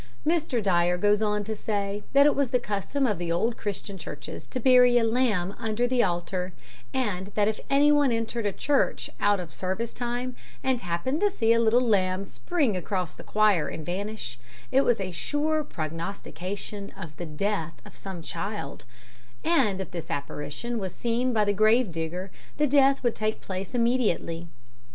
Mr. Dyer goes on to say that it was the custom of the old Christian churches to bury a lamb under the altar; and that if anyone entered a church out of service time and happened to see a little lamb spring across the choir and vanish, it was a sure prognostication of the death of some child; and if this apparition was seen by the grave digger the death would take place immediately.